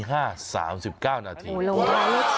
โอ้โหลงทางรถสูง